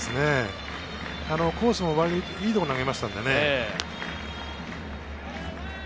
コースもいいところに投げたので。